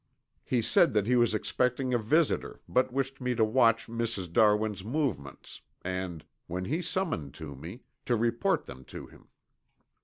He said that he was expecting a visitor but wished me to watch Mrs. Darwin's movements and, when he summoned me, to report them to him.